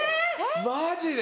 マジで？